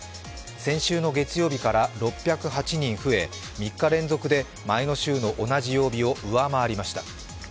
先週の月曜日から６０８人増え３日連続で前の週の同じ曜日を上回りました。